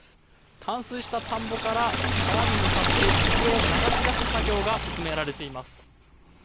冠水した田んぼから川に向かって水を流し出す作業が進められています。